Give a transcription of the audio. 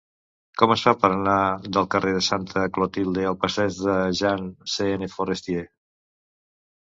Com es fa per anar del carrer de Santa Clotilde al passeig de Jean C. N. Forestier?